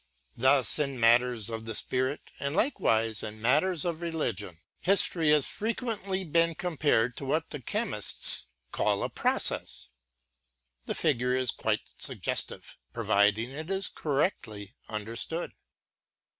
Thus in matters of the spirit, and likewise in matters of religion. History has frequently been compared to what the chemists call a "process." The figure is quite suggestive, providing it is correctly understood.